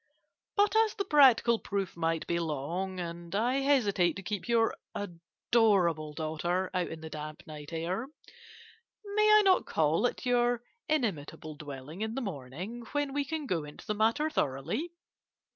But as the practical proof might be long, and as I hesitate to keep your adorable daughter out in the damp night air, may I not call at your inimitable dwelling in the morning, when we can go into the matter thoroughly?